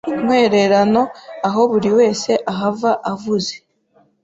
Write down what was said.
intwererano Aho buri wese ahava avuze